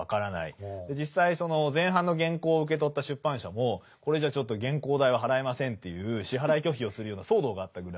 実際その前半の原稿を受け取った出版社もこれじゃちょっと原稿代は払えませんっていう支払い拒否をするような騒動があったぐらい。